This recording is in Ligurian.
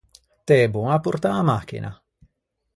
T’ê bon à portâ a machina?